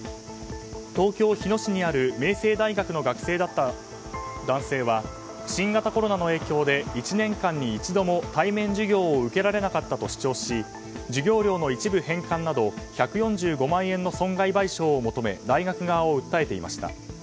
東京・日野市にある明星大学の学生だった男性は新型コロナの影響で１年間に一度も対面授業を受けられなかったと主張し授業料の一部返還など１５０万円の損害賠償を求め大学側を訴えていました。